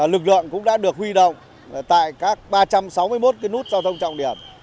lực lượng cũng đã được huy động tại các ba trăm sáu mươi một nút giao thông trọng điểm